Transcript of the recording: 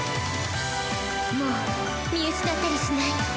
「もう見失ったりしない」